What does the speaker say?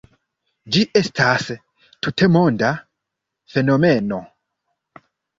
Ĝi estas tutmonda fenomeno.